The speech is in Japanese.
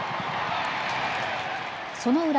その裏。